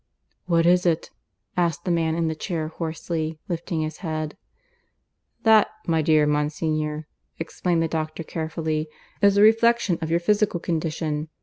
"What is it?" asked the man in the chair hoarsely, lifting his head. "That, my dear Monsignor," explained the doctor carefully, "is a reflection of your physical condition.